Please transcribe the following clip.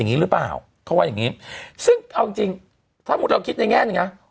เขาว่าอย่างนี้ซึ่งเอาจริงถ้าพวกเราคิดในแง่น